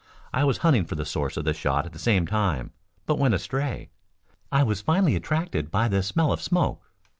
I was hunting for the source of the shot at the same time, but went astray. I was finally attracted by the smell of smoke.